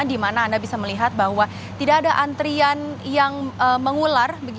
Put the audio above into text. di mana anda bisa melihat bahwa tidak ada antrian yang mengular